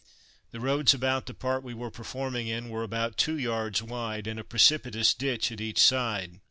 The roads about the part we were performing in were about two yards wide and a precipitous ditch at each side.